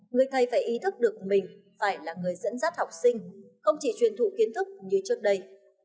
người thầy phải ý thức được mình phải là người dẫn dắt học sinh không chỉ truyền thụ kiến thức như trước đây